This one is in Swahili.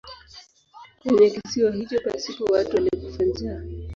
Kwenye kisiwa hicho pasipo watu alikufa njaa.